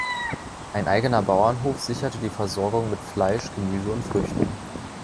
Ein eigener Bauernhof sicherte die Versorgung mit Fleisch, Gemüse und Früchten.